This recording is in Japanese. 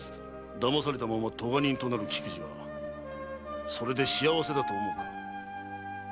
だまされたまま咎人となる菊路はそれで幸せだと思うか？